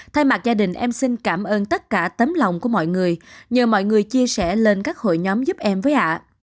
thay mặt gia đình em xin cảm ơn tất cả tấm lòng của mọi người nhờ mọi người chia sẻ lên các hội nhóm giúp em với họ